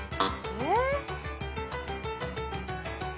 えっ？